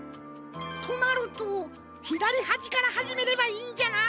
となるとひだりはじからはじめればいいんじゃな。